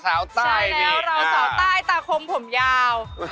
ใต้แล้วเราสาวใต้ตาคมผมยาว